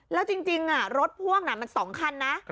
แล้วจริงรถพ่วงมัน๒คันนะ